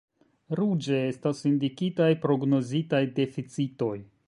Ruĝe estas indikitaj prognozitaj deficitoj.